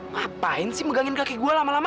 ngapain sih megangin kakek gua lama lama